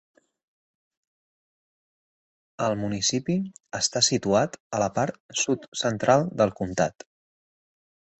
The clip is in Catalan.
El municipi està situat a la part sud-central del comtat.